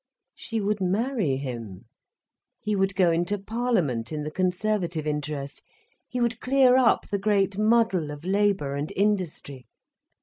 She would marry him, he would go into Parliament in the Conservative interest, he would clear up the great muddle of labour and industry.